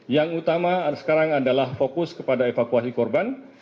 yang utama sekarang adalah fokus kepada evakuasi korban